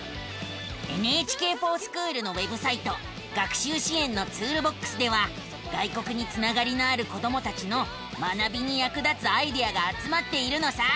「ＮＨＫｆｏｒＳｃｈｏｏｌ」のウェブサイト「学習支援のツールボックス」では外国につながりのある子どもたちの学びに役立つアイデアがあつまっているのさ。